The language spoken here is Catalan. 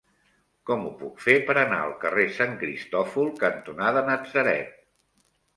Com ho puc fer per anar al carrer Sant Cristòfol cantonada Natzaret?